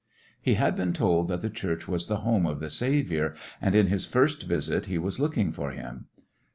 He had been told that the Church was the home of the Saviour, and in this his first visit he was looking for him.